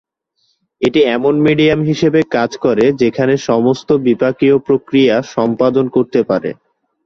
এটি এমন মিডিয়াম হিসেবে কাজ করে যেখানে সমস্ত বিপাকীয় প্রক্রিয়া সম্পাদন করতে পারে।